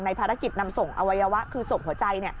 ภารกิจนำส่งอวัยวะคือส่งหัวใจ